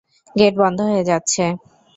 Gate বন্ধ হয়ে যাচ্ছে।